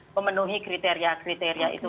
mencapai kriteria kriteria itu